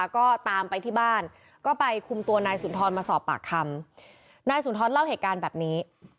ก็เล่าเหตุการณ์แบบนี้